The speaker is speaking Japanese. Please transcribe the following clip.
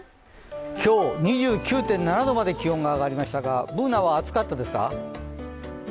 今日、２９．７度まで気温が上がりましたが、Ｂｏｏｎａは暑かったですか？